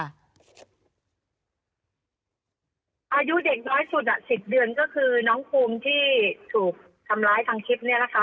อายุเด็กน้อยสุด๑๐เดือนก็คือน้องภูมิที่ถูกทำร้ายทางคลิปนี้แหละค่ะ